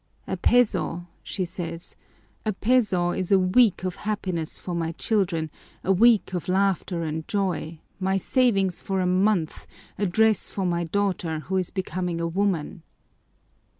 "A peso," she says, "a peso is a week of happiness for my children, a week of laughter and joy, my savings for a month, a dress for my daughter who is becoming a woman."